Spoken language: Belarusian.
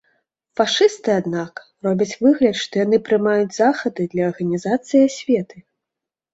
Фашысты, аднак, робяць выгляд, што яны прымаюць захады для арганізацыі асветы.